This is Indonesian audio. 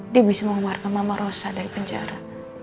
dia bisa mengeluarkan mama rosa dari penjara